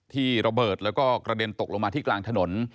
ที่ระเบิดแล้วก็กระเด็นตกลงมาที่กลางถนน